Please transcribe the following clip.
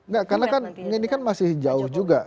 enggak karena kan ini kan masih jauh juga